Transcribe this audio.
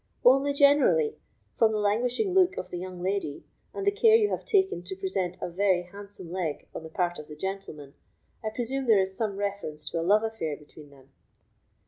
Only generally, from the languishing look of the young lady, and the care you have taken to present a very handsome leg on the part of the gentleman, I presume there is some reference to a love affair between them."